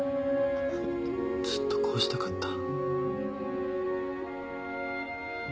ずっとこうしたかった。